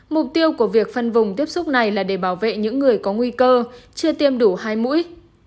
mục tiêu của việc phân vùng tiếp xúc này là để bảo vệ những người có nguy cơ chưa tiêm đủ hai mũi